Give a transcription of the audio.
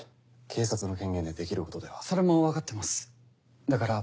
警察の権限でできることではそれも分かってますだから